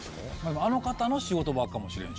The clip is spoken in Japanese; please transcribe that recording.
あの方の仕事場かもしれん。